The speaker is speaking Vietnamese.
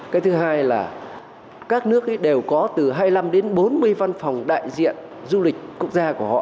cái thứ hai là các nước ấy đều có từ hai mươi năm đến bốn mươi văn phòng đại diện du lịch quốc gia của họ